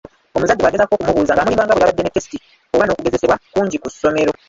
Omuzadde bw'agezaako okumubuuza, ng'amulimba nga bwe babadde ne testi oba n'okugezesebwa kungi ku ssomero.